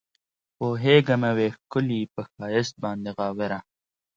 پوهېږمه وي ښکلي پۀ ښائست باندې غاوره